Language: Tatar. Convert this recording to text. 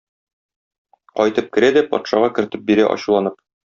Кайтып керә дә патшага кертеп бирә ачуланып.